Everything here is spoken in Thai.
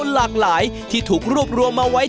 หลากหลายที่ถูกรวบรวมมาไว้